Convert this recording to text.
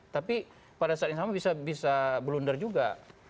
tapi pada saat yang sama bisa blunder juga